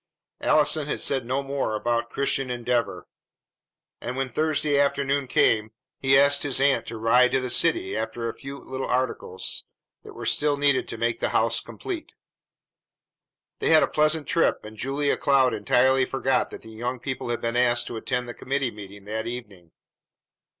Allison had said no more about Christian Endeavor; and, when Thursday afternoon came, he asked his aunt to ride to the city after a few little articles that were still needed to make the house complete. They had a pleasant trip, and Julia Cloud entirely forgot that the young people had been asked to attend the committee meeting that evening.